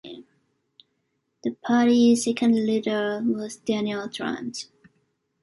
The party's second leader was Daniel Drimes.